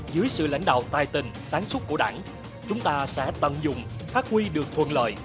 dưới sự lãnh đạo tài tình sáng súc của đảng chúng ta sẽ tận dụng phát huy được thuận lợi